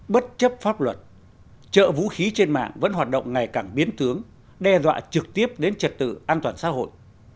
bất chấp pháp luật trợ vũ khí trên mạng vẫn hoạt động ngày càng biến tướng đe dọa trực tiếp đến trật tự an toàn xã hội